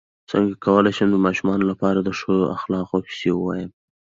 څنګه کولی شم د ماشومانو لپاره د ښو اخلاقو کیسې ووایم